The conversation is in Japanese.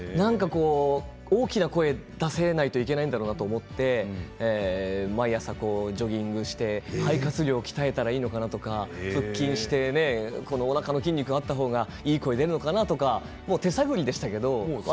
大きな声出せないといけないんだろうなと思って毎朝、ジョギングをして肺活量を鍛えたらいいのかなとか腹筋をしておなかの筋肉があった方がいい声が出るのかなとか手探りでしたけどね。